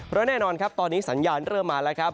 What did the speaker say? และแน่นอนครับตอนนี้สัญญาณเริ่มมาแล้วครับ